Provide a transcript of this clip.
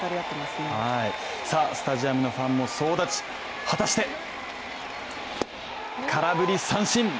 スタジアムのファンも総立ち果たして空振り三振。